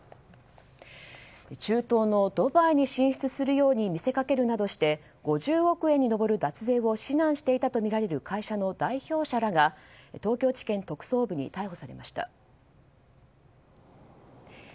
中東のドバイに進出するように見せかけるなどして５０億円に上る脱税を指南していたとみられる会社の代表者らが東京地検特捜部に逮捕されました。